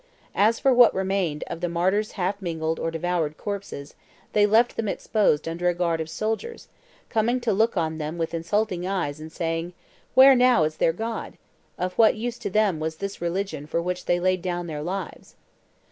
As for what remained of the martyrs' half mangled or devoured corpses, they left them exposed under a guard of soldiers, coming to look on them with insulting eyes, and saying, 'Where is now their God? Of what use to them was this religion for which they laid down their lives?